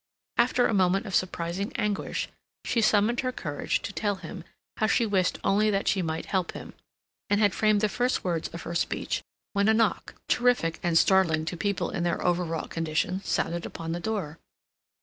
After a moment of surprising anguish, she summoned her courage to tell him how she wished only that she might help him, and had framed the first words of her speech when a knock, terrific and startling to people in their overwrought condition, sounded upon the door.